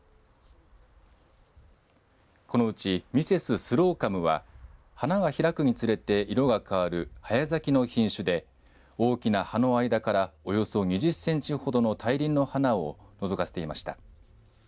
このうちミセススローカムは花が開くにつれて色が変わる早咲きの品種で大きな葉の間からおよそ２０センチほどの大輪の花をのぞかせていました。